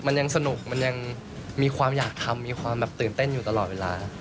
มันยังสนุกมันยังมีความอยากทำมีความแบบตื่นเต้นอยู่ตลอดเวลา